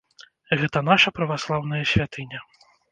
Гэта наша праваслаўная святыня.